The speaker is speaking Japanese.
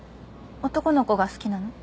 男の子が好きなの？